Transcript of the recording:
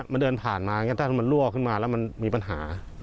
แล้วมันเดินผ่านมาถ้ามันลั่วขึ้นมาแล้วมีปัญหา